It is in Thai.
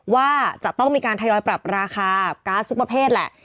ว่าจะต้องมีการทยอยปรับราคาก๊าซทุกประเภทแหละ